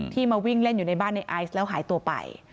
มาวิ่งเล่นอยู่ในบ้านในไอซ์แล้วหายตัวไป